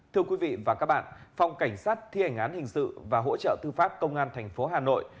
thưa quý vị và các bạn phòng cảnh sát thi hành án hình sự và hỗ trợ tư pháp công an tp hà nội